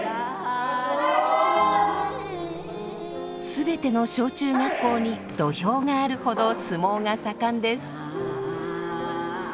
全ての小中学校に土俵があるほど相撲が盛んです。